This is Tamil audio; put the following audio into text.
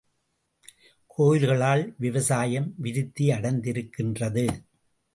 கோயில்களால் விவசாயம் விருத்தியடைந்திருக்கின்றது.